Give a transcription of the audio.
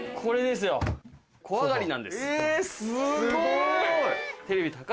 すごい！